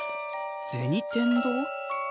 銭天堂？